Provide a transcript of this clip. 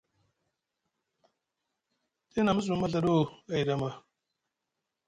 Tiyana mu zumu maɵaɗo ayɗi ama ?